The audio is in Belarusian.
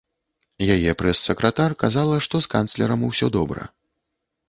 Яе прэс-сакратар казала, што з канцлерам усё добра.